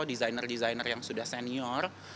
desainer desainer yang sudah senior